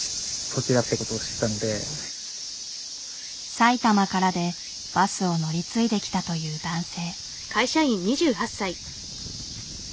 埼玉からでバスを乗り継いで来たという男性。